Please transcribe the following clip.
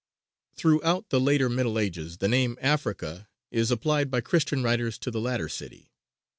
Throughout the later middle ages the name "Africa" is applied by Christian writers to the latter city.